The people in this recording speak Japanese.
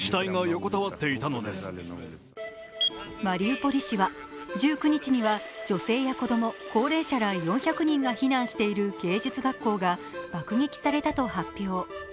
マリウポリ市は、１９日には女性や子供、高齢者ら４００人が避難している芸術学校が爆撃されたと発表。